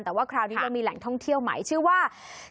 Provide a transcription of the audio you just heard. แต่ว่าคราวนี้เรามีแหล่งท่องเที่ยวใหม่ชื่อว่า